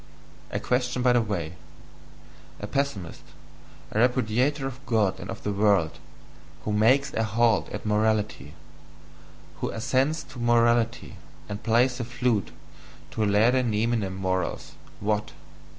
A question by the way: a pessimist, a repudiator of God and of the world, who MAKES A HALT at morality who assents to morality, and plays the flute to laede neminem morals, what?